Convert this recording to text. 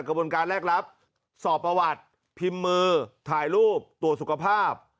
กระบวนการแรกรับสอบประวัติพิมพ์มือถ่ายรูปตรวจสุขภาพ